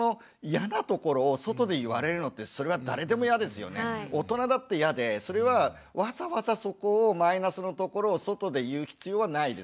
ただまあその一方で大人だっていやでそれはわざわざそこをマイナスのところを外で言う必要はないですよね。